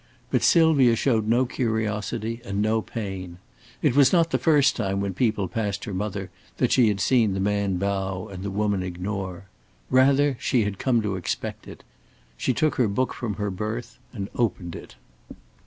But Sylvia showed no curiosity and no pain. It was not the first time when people passed her mother that she had seen the man bow and the woman ignore. Rather she had come to expect it. She took her book from her berth and opened it.